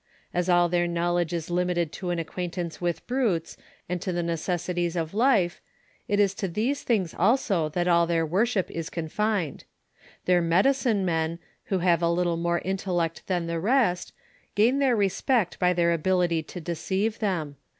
Aa all their knowledge ia limited to an acquaintance witli brutea, and to the neocasitiea of life, it ia to these tilings also tliat all their worahip is confined. Tlteir iiiedioino men, who have a little more intellect than tlio reat, gain their respect by their ability to deceive them.